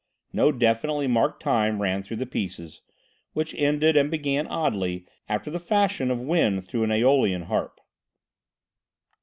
No definitely marked time ran through the pieces, which ended and began oddly after the fashion of wind through an Aeolian harp.